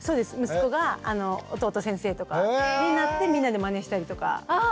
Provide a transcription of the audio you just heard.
息子が弟先生とかになってみんなでまねしたりとかやってます。